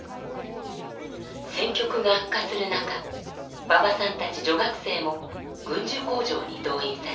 戦局が悪化する中馬場さんたち女学生も軍需工場に動員されます。